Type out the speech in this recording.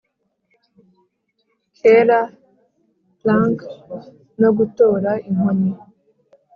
ker plunk no gutora inkoni,